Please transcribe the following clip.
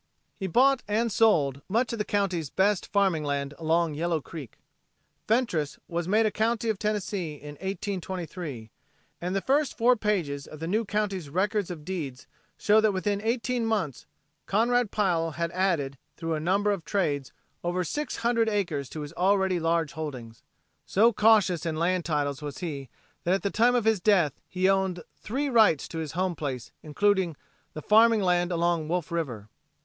He bought and sold much of the county's best farming land along Yellow Creek. Fentress was made a county of Tennessee in 1823 and the first four pages of the new county's records of deeds show that within eighteen months Conrad Pile had added, through a number of trades, over six hundred acres to his already large holdings. So cautious in land titles was he that at the time of his death he owned three rights to his home place including the farming land along Wolf River.